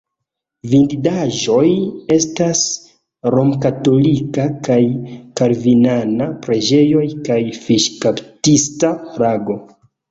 Vidindaĵoj estas romkatolika kaj kalvinana preĝejoj kaj fiŝkaptista lago.